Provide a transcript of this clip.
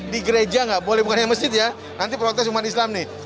di gereja nggak boleh bukannya masjid ya nanti protes umat islam nih